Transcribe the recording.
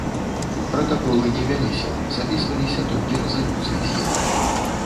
Пратаколы не вяліся, запісваліся толькі рэзалюцыі з'езда.